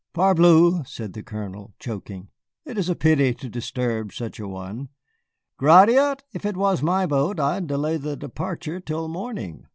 "Parbleu," said the Colonel, choking, "it is a pity to disturb such a one. Gratiot, if it was my boat, I'd delay the departure till morning."